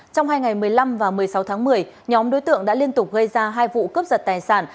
trong hai ngày một mươi năm và một mươi sáu tháng một mươi nhóm đối tượng đã liên tục gây ra hai vụ cướp giật tài sản